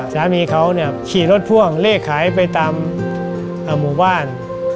สามีเขาเนี่ยขี่รถพ่วงเลขขายไปตามหมู่บ้าน